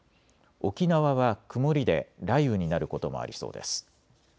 沖縄は曇りで雷雨になることもありそうです。